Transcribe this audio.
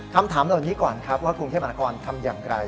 คำถามเหล่านี้ก่อนครับว่ากรุงเทพมหานครทำอย่างไร